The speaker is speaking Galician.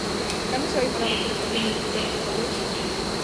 ¿Cando se vai parar a forestación de terras agrarias?